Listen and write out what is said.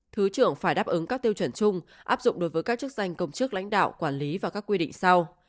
thứ trưởng phải đáp ứng các tiêu chuẩn chung áp dụng đối với các chức danh công chức lãnh đạo quản lý và các quy định sau